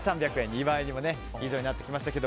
２倍以上になってきましたが。